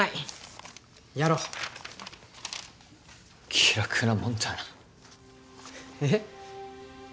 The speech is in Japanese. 気楽なもんだな。えっ？